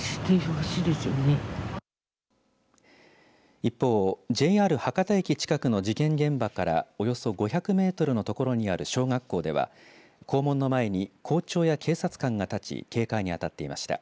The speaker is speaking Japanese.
一方、ＪＲ博多駅近くの事件現場からおよそ５００メートルの所にある小学校では校門の前に校長や警察官が立ち警戒に当たっていました。